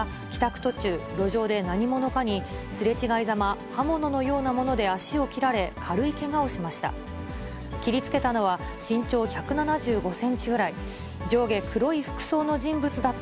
途中、路上で何者かにすれ違いざま、刃物のようなもので足を切られ、軽いけがをしました。